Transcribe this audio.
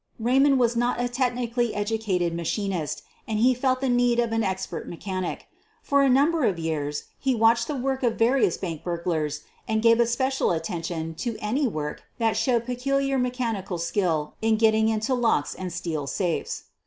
Raymond was not a technically educated ma chinist, and he felt the need of an expert mechanic. For a number of years he watched the work of various other bank burglars and gave especial at tention to any work that showed peculiar mechani cal skill in getting into locks and steel safes.